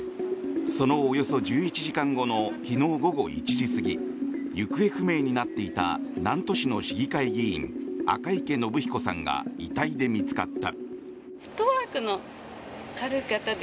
そのおよそ１１時間後の昨日午後１時過ぎ行方不明になっていた南砺市の市議会議員赤池信彦さんが遺体で見つかった。